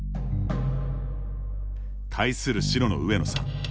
対する白の上野さん。